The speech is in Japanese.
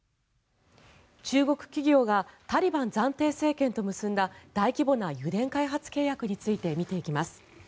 中国企業がタリバン暫定政権と結んだ大規模な油田開発契約について見ていきます。